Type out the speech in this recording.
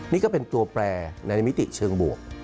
นี่ก็เป็นตัวแปลในมิติเชิงบวก